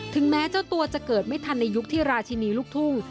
แม้เจ้าตัวจะเกิดไม่ทันในยุคที่ราชินีลูกทุ่ง